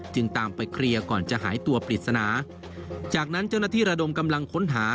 จึงตามไปเคลียร์ก่อนจะหายตัวปริศนาจากนั้นเจ้าหน้าที่ระดมกำลังค้นหา